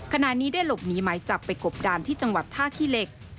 ขณะนี้ได้หลบหนีหมายจับไปกบดานที่จังหวัดท่าขี้เหล็ก